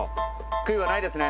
悔いはないですね？